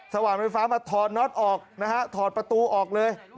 ว่านไฟฟ้ามาถอดน็อตออกนะฮะถอดประตูออกเลย